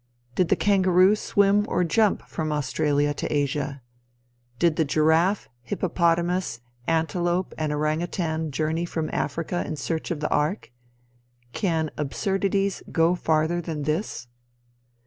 Did the kangaroo swim or jump from Australia to Asia? Did the giraffe, hippopotamus, antelope and orang outang journey from Africa in search of the ark? Can absurdities go farther than this?